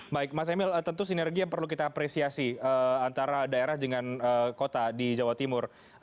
baik mas emil tentu sinergi yang perlu kita apresiasi antara daerah dengan kota di jawa timur